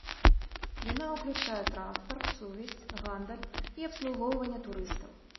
Яна ўключае транспарт, сувязь, гандаль і абслугоўванне турыстаў.